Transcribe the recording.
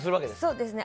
そうですね。